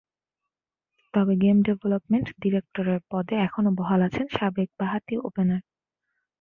তবে game development ডিরেক্টরের পদে এখনো বহাল আছেন সাবেক বাঁহাতি ওপেনার।